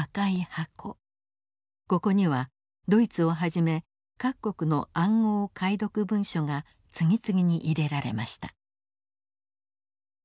ここにはドイツをはじめ各国の暗号解読文書が次々に入れられました。